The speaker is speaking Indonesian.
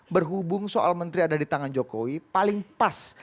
berhubung soal menteri ada di tangan jokowi paling pas